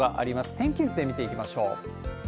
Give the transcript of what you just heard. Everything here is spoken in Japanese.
天気図で見ていきましょう。